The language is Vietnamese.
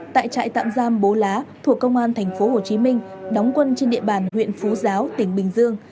tại trại tạm giam bố lá thuộc công an tp hcm đóng quân trên địa bàn huyện phú giáo tỉnh bình dương